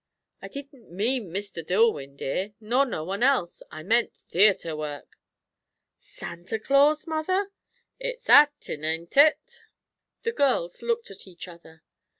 "I didn't mean Mr. Dillwyn, dear, nor no one else. I meant theatre work." "Santa Claus, mother?" "It's actin', ain't it?" The girls looked at each other.